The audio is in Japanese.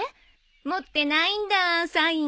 持ってないんだサイン。